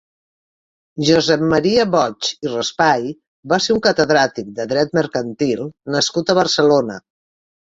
Josep Maria Boix i Raspall va ser un catedràtic de Dret Mercantil nascut a Barcelona.